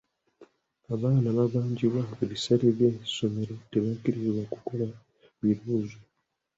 Abaana ababanjibwa ebisale by'essomero tebakkiriziddwa kukola bibuuzo.